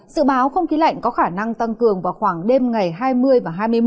sự báo không khí lạnh có khả năng tăng cường vào khoảng đêm ngày hai mươi và hai mươi một